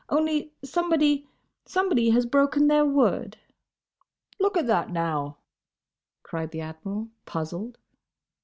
Only somebody—somebody has broken their word." "Look a that, now!" cried the Admiral, puzzled.